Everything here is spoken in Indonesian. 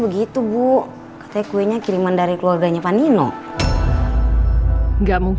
ibu diminum ya butenya saya permisi ke belakang